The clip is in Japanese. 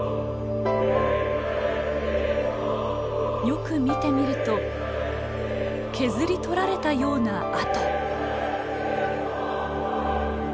よく見てみると削り取られたような跡。